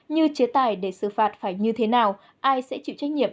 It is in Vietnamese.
như chế tài để xử phạt phải như thế nào ai sẽ chịu trách nhiệm